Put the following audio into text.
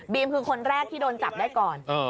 คือคนแรกที่โดนจับได้ก่อน